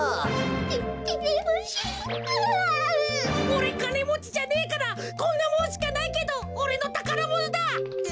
おれかねもちじゃねえからこんなもんしかないけどおれのたからものだ！